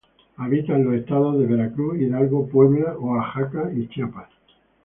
Habita en los estados de Veracruz, Hidalgo, Puebla, Oaxaca y Chiapas.